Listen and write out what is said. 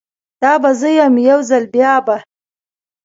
دا به زه یم، یو ځل بیا به